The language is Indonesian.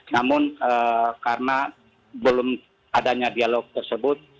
namun karena belum adanya dialog tersebut